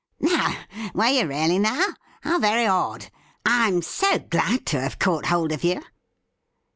' No ; were you really, now ? How very odd ! I'm so glad to have caught hold of you.'